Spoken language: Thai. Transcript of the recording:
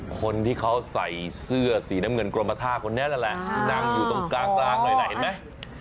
คนที่เขาใส่เสื้อสีน้ำเงินกรมท่าคนนี้นั่นแหละที่นั่งอยู่ตรงกลางหน่อยนะเห็นไหม